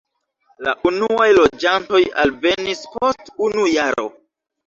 La unuaj loĝantoj alvenis post unu jaro.